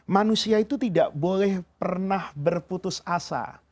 manusia itu tidak boleh pernah berputus asa